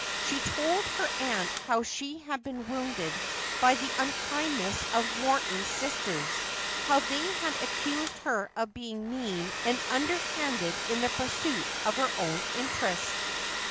She told her aunt how she had been wounded by the unkindness of Morton's sisters, how they had accused her of being mean and under handed in the pursuit of her own interest.